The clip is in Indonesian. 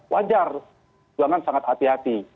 wajar jangan sangat hati hati